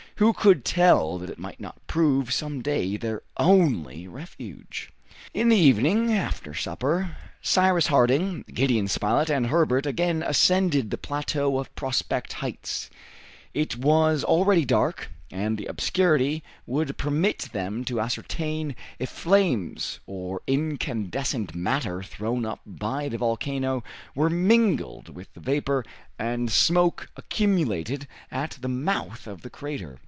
Who could tell that it might not prove some day their only refuge? In the evening, after supper, Cyrus Harding, Gideon Spilett, and Herbert again ascended the plateau of Prospect Heights. It was already dark, and the obscurity would permit them to ascertain if flames or incandescent matter thrown up by the volcano were mingled with the vapor and smoke accumulated at the mouth of the crater.